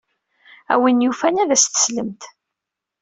A win yufan ad as-teslemt.